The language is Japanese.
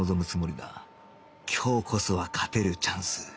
今日こそは勝てるチャンス